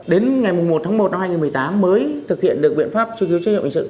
đến ngày một tháng một năm hai nghìn một mươi tám mới thực hiện được biện pháp truy thiếu chế hiệu hình sự